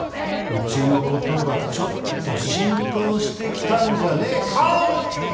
うちのことがちょっと浸透してきたんじゃねえかおい！